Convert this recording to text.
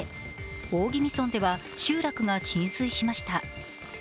大宜味村では集落が浸水しました。